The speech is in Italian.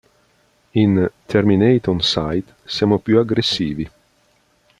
In “Terminate on Sight, siamo più aggressivi.